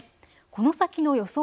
この先の予想